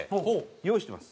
用意してます。